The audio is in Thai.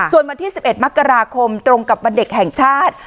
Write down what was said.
ส่วนวันที่๑๑มกราคมตรงกับวันเด็กแห่งชาติ